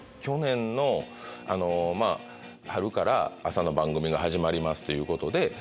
去年のまぁ春から朝の番組が始まりますということで。